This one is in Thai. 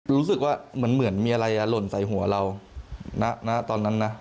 รู้สึกว่าเหมือนมีอะไรหล่นใส่หัวเราณตอนนั้นนะ